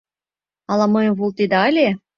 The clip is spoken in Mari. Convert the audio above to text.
— Ала мыйым волтеда ыле?